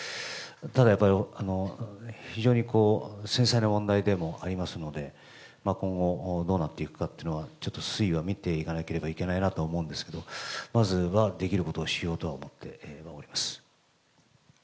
ただやっぱり非常に繊細な問題でもありますので、今後、どうなっていくかというのは、ちょっと推移は見ていかなければいけないなと思うんですけれども、まずはできることをしようとは思っております。